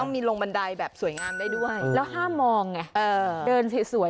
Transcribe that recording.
ต้องมีลงบันไดสวยงามได้ด้วย